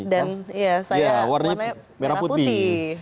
dan saya warnanya merah putih